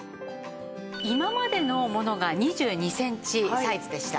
今までのものが２２センチサイズでした。